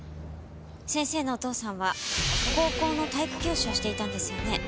先生のお父さんは高校の体育教師をしていたんですよね？